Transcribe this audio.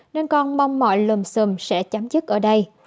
nên con mong mọi lùm xùm sẽ chấm dứt ở đây